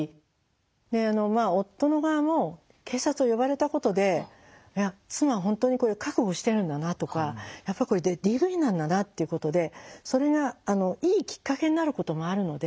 まあ夫の側も警察を呼ばれたことで妻は本当にこれ覚悟してるんだなとかやっぱりこれＤＶなんだなっていうことでそれがいいきっかけになることもあるので。